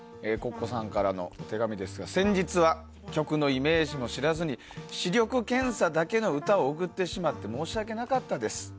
Ｃｏｃｃｏさんからの手紙ですが先日は曲のイメージも知らずに視力検査だけの歌を送ってしまって申し訳なかったです。